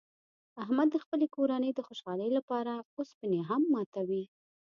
احمد د خپلې کورنۍ د خوشحالۍ لپاره اوسپنې هم ماتوي.